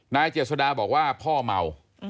เจษดาบอกว่าพ่อเมา